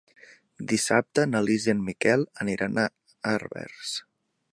Dissabte na Lis i en Miquel aniran a Herbers.